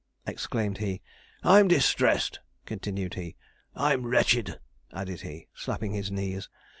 exclaimed he. 'I'm distressed!' continued he. 'I'm wretched!' added he, slapping his knees.